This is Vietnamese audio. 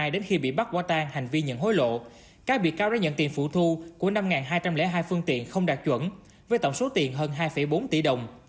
đến khi bị bắt quả tang hành vi nhận hối lộ các bị cáo đã nhận tiền phụ thu của năm hai trăm linh hai phương tiện không đạt chuẩn với tổng số tiền hơn hai bốn tỷ đồng